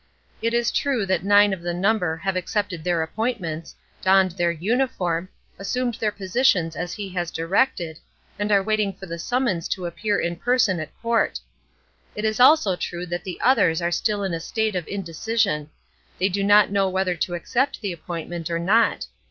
It is true that nine of the number have accepted their appointments, donned their uniform, assumed their positions as He has directed, and are waiting for the summons to appear in person at court. It is also true that the others are still in a state of indecision; they do not know whether to accept the appointment or not.